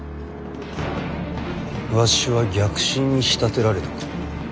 わしは逆臣に仕立てられたか。